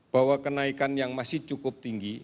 bahwa kenaikan yang masih cukup tinggi